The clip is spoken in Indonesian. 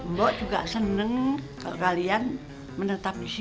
mbok juga senang kalau kalian menetap di sini